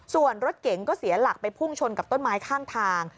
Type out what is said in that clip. ส่วนรถเก๋งก็เสียหลักไปพุ่งชนกับต้นไม้ข้างทาง